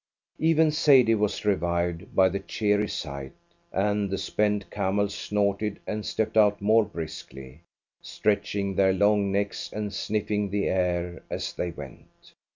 Even Sadie was revived by the cheery sight, and the spent camels snorted and stepped out more briskly, stretching their long necks and sniffing the air as they went.